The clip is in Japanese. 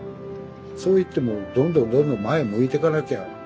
そういってもうどんどんどんどん前向いてかなきゃ。